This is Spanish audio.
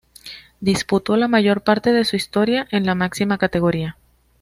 Disputó la mayor parte de su historia en la máxima categoría.